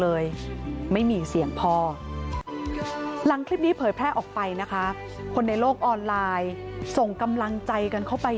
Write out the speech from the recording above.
เลยไม่มีเสียงพอหลังคลิปนี้เผยแพร่ออกไปนะคะคนในโลกออนไลน์ส่งกำลังใจกันเข้าไป